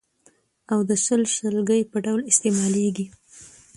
او د شل، شلګي په ډول استعمالېږي.